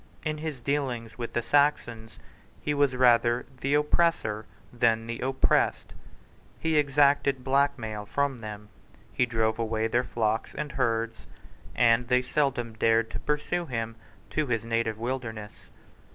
In his dealings with the Saxons, he was rather the oppressor than the oppressed. He exacted black mail from them: he drove away their flocks and herds; and they seldom dared to pursue him to his native wilderness.